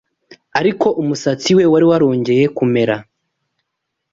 Ariko umusatsi we wari warongeye kumera